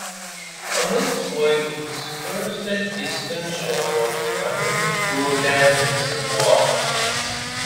On its way it skirts the eastern shore of Manicouagan Reservoir.